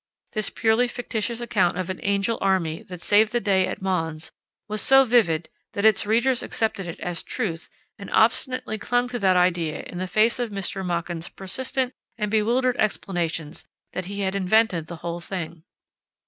This purely fictitious account of an angel army that saved the day at Mons was so vivid that its readers accepted it as truth and obstinately clung to that idea in the face of Mr. Machen's persistent and bewildered explanations that he had invented the whole thing.